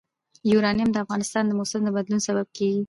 یورانیم د افغانستان د موسم د بدلون سبب کېږي.